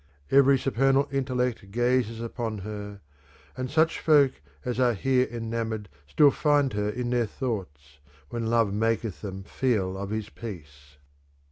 ^.,^, j ..,, ^^f,.,. ,/ Every supernal intellect gazes upon Ker, " and such folk as are here enamoured still find her in their thoughts when love maketh them feel of his peace.